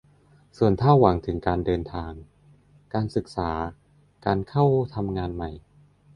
ส่วนถ้าหวังถึงการเดินทาง การศึกษา การเข้าทำงานใหม่